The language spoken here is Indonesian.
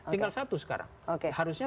tinggal satu sekarang harusnya